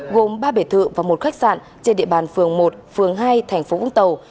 gồm ba bể thự và một khách sạn trên địa bàn phường một phường hai tp vũng tàu